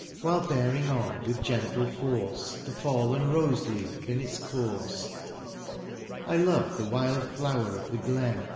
While bearing on with gentle force The fallen rose leaf in its course : I love the wild flower of the glen.